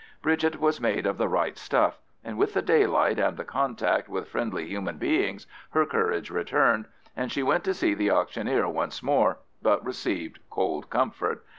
Bridget was made of the right stuff, and with the daylight and the contact with friendly human beings her courage returned, and she went to see the auctioneer once more, but received cold comfort.